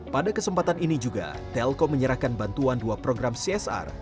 pada kesempatan ini juga telkom menyerahkan bantuan dua program csr